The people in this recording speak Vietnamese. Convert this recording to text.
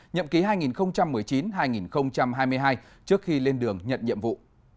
nhậm ký hai nghìn một mươi chín hai nghìn hai mươi hai trước khi lên đường nhận nhiệm vụ